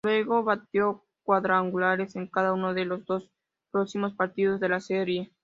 Luego bateó cuadrangulares en cada uno de los dos próximos partidos de la serie.